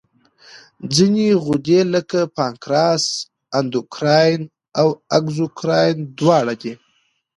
ځینې غدې لکه پانکراس اندوکراین او اګزوکراین دواړه دي.